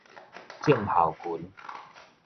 症候群